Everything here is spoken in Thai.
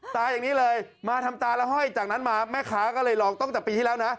ตาอย่างนี้เลยมาทำตาแล้วห้อยจากนั้นมาแม่ค้าก็เลยลองตั้งแต่ปีที่แล้วนะ